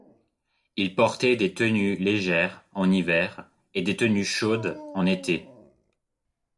Il portait des tenues légères en hiver et des tenues chaudes en été.